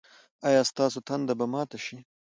ایا ستاسو تنده به ماته شي؟